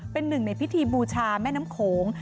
เป็นหนึ่งในพิธีบูชาแม่น้ำโขง